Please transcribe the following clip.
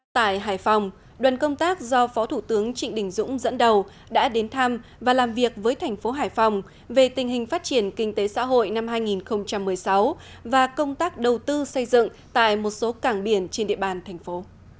tại hải phòng đoàn công tác do phó thủ tướng trịnh đình dũng dẫn đầu đã đến thăm và làm việc với thành phố hải phòng về tình hình phát triển kinh tế xã hội năm hai nghìn một mươi sáu và công tác đầu tư xây dựng tại một số cảng biển trên địa bàn thành phố